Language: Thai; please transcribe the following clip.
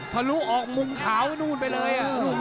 ทะลุออกมุมขาวนู่นไปเลย